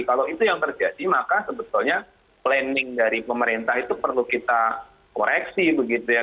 kalau itu yang terjadi maka sebetulnya planning dari pemerintah itu perlu kita koreksi begitu ya